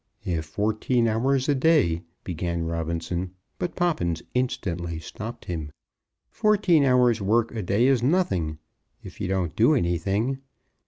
"If fourteen hours a day " began Robinson. But Poppins instantly stopped him. "Fourteen hours' work a day is nothing, if you don't do anything.